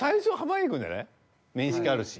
面識あるし。